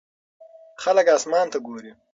خلک اسمان ته ګوري.